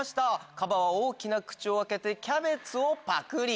カバは大きな口を開けてキャベツをパクリ！